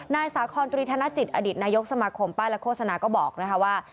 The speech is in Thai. นายสาคอนตุริธนาจิตอดิษฐ์นายกสมาคมป้ายและโฆษณาก็บอกว่า